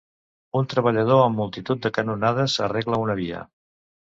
Un treballador amb multitud de canonades arregla una via.